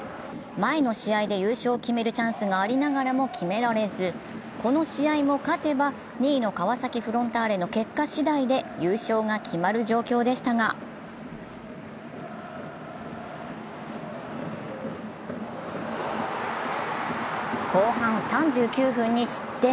前の試合で優勝を決めるチャンスがありながらも決められずこの試合も勝てば、２位の川崎フロンターレの結果次第で、優勝が決まる状況でしたが後半３９分に失点。